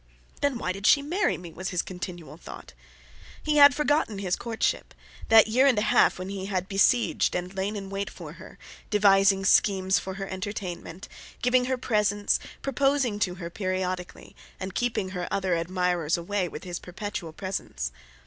"Then why did she marry me?" was his continual thought. He had forgotten his courtship; that year and a half when he had besieged and lain in wait for her, devising schemes for her entertainment, giving her presents, proposing to her periodically, and keeping her other admirers away with his perpetual presence.